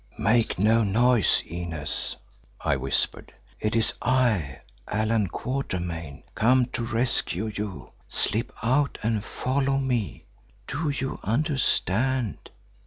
"Make no noise, Inez," I whispered. "It is I, Allan Quatermain, come to rescue you. Slip out and follow me; do you understand?"